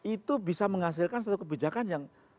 itu bisa menghasilkan satu kebijakan yang